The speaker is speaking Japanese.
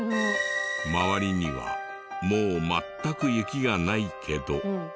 周りにはもう全く雪がないけど。